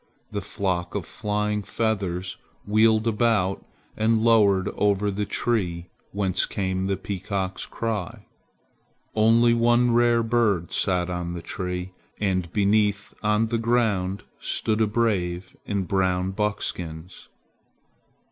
The flock of flying feathers wheeled about and lowered over the tree whence came the peacock's cry. Only one rare bird sat on the tree, and beneath, on the ground, stood a brave in brown buckskins.